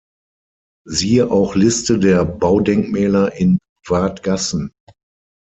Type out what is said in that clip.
Siehe auch Liste der Baudenkmäler in Wadgassen